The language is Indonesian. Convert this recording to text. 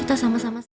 kota sama samasamas